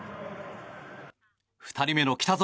２人目の北園。